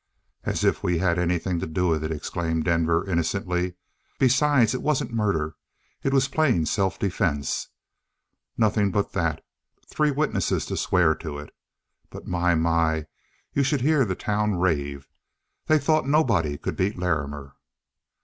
"As if we had anything to do with it!" exclaimed Denver innocently. "Besides, it wasn't murder. It was plain self defense. Nothing but that. Three witnesses to swear to it. But, my, my you should hear that town rave. They thought nobody could beat Larrimer."